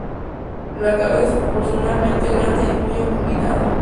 La cabeza es proporcionalmente grande y muy acuminada.